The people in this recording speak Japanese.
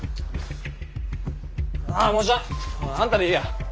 もうじゃああんたでいいや。